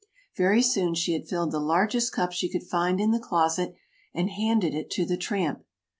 Very soon she had filled the largest cup she could find in the closet, and handed it to the tramp.